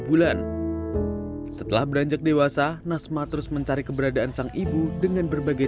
bulan setelah beranjak dewasa nasma terus mencari keberadaan sang ibu dengan berbagai